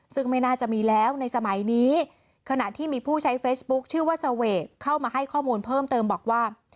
ซึ่งไม่น่าจะมีแล้วในสมัยนี้ขณะที่มีผู้ใช้เฟซบุ๊คชื่อว่าเสวกเข้ามาให้ข้อมูลเพิ่มเติมบอกว่า